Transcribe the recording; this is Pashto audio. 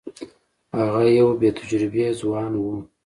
هغه یو بې تجربې ځوان وو.